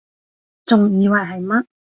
仲以為係乜????